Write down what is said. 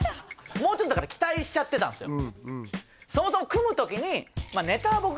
もうちょっとだから期待しちゃってたんですよ